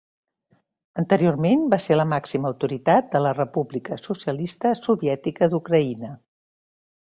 Anteriorment va ser la màxima autoritat de la República Socialista Soviètica d'Ucraïna.